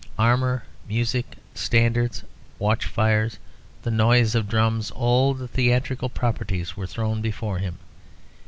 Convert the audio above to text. Armour, music, standards, watch fires, the noise of drums, all the theatrical properties were thrown before him.